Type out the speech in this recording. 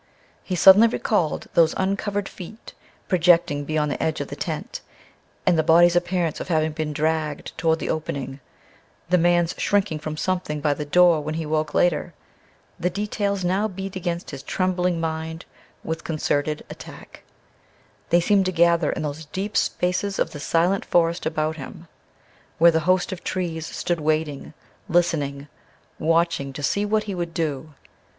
He suddenly recalled those uncovered feet projecting beyond the edge of the tent, and the body's appearance of having been dragged towards the opening; the man's shrinking from something by the door when he woke later. The details now beat against his trembling mind with concerted attack. They seemed to gather in those deep spaces of the silent forest about him, where the host of trees stood waiting, listening, watching to see what he would do.